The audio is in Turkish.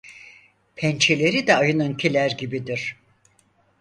Pençeleri de ayınınkiler gibidir.